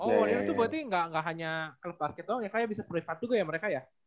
oh itu berarti gak hanya kelepas gitu doang ya kak bisa private juga ya mereka ya